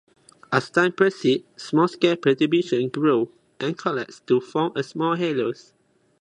As time proceeds, small-scale perturbations grow and collapse to form small halos.